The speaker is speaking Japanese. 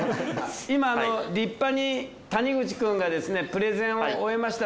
今立派に谷口くんがですねプレゼンを終えました。